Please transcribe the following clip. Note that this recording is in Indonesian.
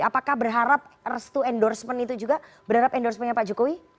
apakah berharap restu endorsement itu juga berharap endorsementnya pak jokowi